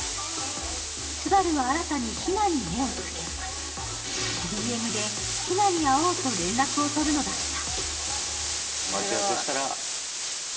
スバルは新たにヒナに目をつけＤＭでヒナに会おうと連絡を取るのだった。